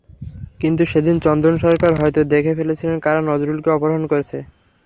কিন্তু সেদিন চন্দন সরকার হয়তো দেখে ফেলেছিলেন কারা নজরুলকে অপহরণ করেছে।